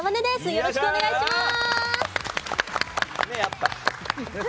よろしくお願いします！